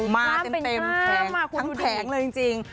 มาเต็มแผงทั้งแผงเลยจริง